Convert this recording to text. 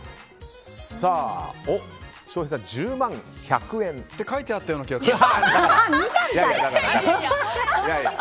翔平さん１０万１００円。って書いてあったような気がする。